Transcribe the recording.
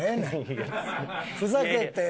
ふざけて。